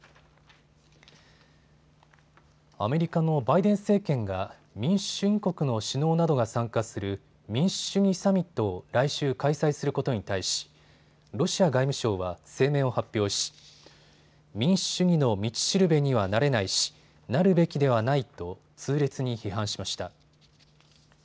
アメリカのバイデン政権が民主主義国の首脳などが参加する民主主義サミットを来週開催することに対しロシア外務省は声明を発表し民主主義の道しるべにはなれないし、なるべきではないと痛烈に批判しました。